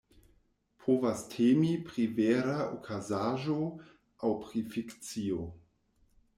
Povas temi pri vera okazaĵo aŭ pri fikcio.